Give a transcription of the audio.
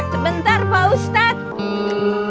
sebentar pak ustadz